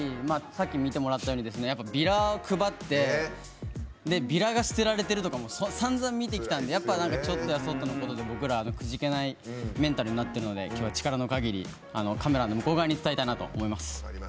さっき見てもらったようにビラを配ってビラが捨てられてるとかもさんざん見てきたのでやっぱりちょっとやそっとのことでは僕らはくじけないメンタルになってるので今日はチカラノカギリカメラの向こうに伝えたいなと思います。